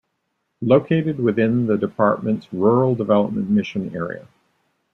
Located within the Department's Rural Development mission area.